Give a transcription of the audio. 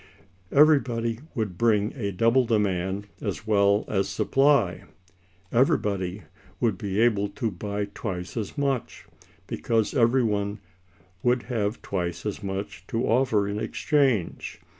Everybody would bring a double demand as well as supply; everybody would be able to buy twice as much, because every one would have twice as much to offer in exchange.